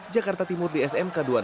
jakarta timur di smk dua puluh satu